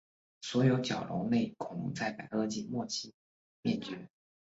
所有的角龙类恐龙在白垩纪末期灭绝。